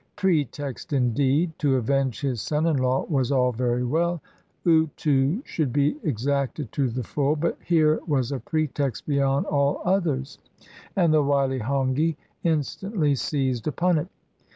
Pretext, indeed! To avenge his son in law was all very well. Utu should be exacted to the full. But here was a pretext beyond all others, and the wily Hongi instantly seized upon it.